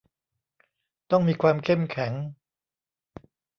ต้องมีความเข้มแข็ง